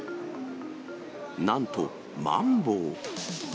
なんと、マンボウ。